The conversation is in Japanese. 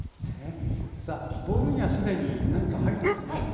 さあボウルには既に何か入ってますね。